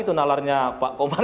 itu nalarnya pak komar